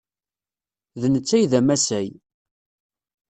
D netta ay d amasay.